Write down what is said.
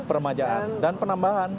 peremajaan dan penambahan